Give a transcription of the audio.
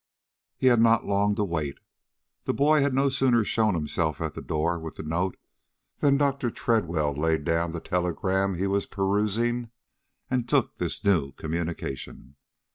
He had not long to wait. The boy had no sooner shown himself at the door with the note, than Dr. Tredwell laid down the telegram he was perusing and took this new communication.